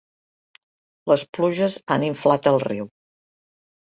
Les pluges han inflat el riu.